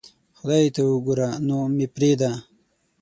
خدای ته اوګوره نو مې پریدا